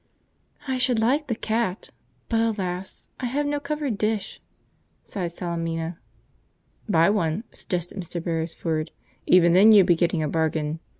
"I should like the cat, but alas! I have no covered dish," sighed Salemina. "Buy one," suggested Mr. Beresford. "Even then you'd be getting a bargain.